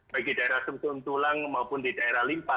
bagi daerah tulang maupun di daerah limpa